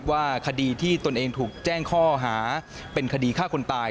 ว่าคดีที่ตนเองถูกแจ้งข้อหาเป็นคดีฆ่าคนตาย